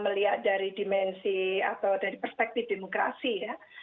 melihat dari dimensi atau dari perspektif demokrasi ya